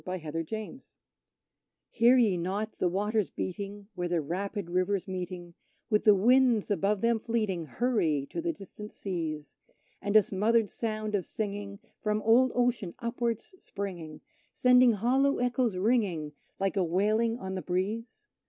The Opossum Hunters Hear ye not the waters beating where the rapid rivers, meeting With the winds above them fleeting, hurry to the distant seas, And a smothered sound of singing from old Ocean upwards springing, Sending hollow echoes ringing like a wailing on the breeze?